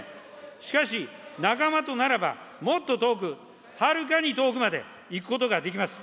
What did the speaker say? しかし、仲間とならばもっと遠く、はるかに遠くまで行くことができます。